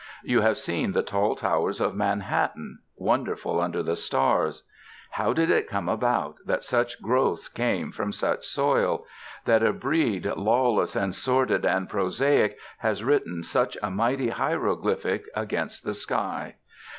You have seen the tall towers of Manhattan, wonderful under the stars. How did it come about that such growths came from such soil that a breed lawless and sordid and prosaic has written such a mighty hieroglyphic against the sky?